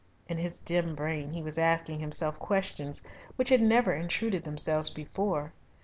In his dim brain he was asking himself questions which had never intruded themselves before.